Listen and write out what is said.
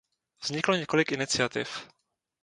Vzniklo několik iniciativ.